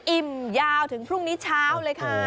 อิ่มยาวถึงพรุ่งนี้เช้าเลยค่ะ